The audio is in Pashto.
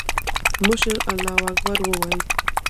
مشر الله اکبر وويل.